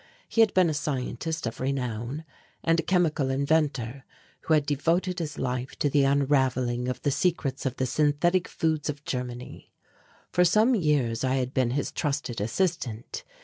He had been a scientist of renown and a chemical inventor who had devoted his life to the unravelling of the secrets of the synthetic foods of Germany. For some years I had been his trusted assistant.